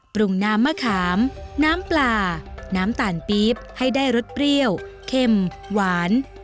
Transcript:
ปรุงน้ำมะขามน้ำปลาน้ำตาลปี๊บให้ได้รสเปรี้ยวเค็มหวาน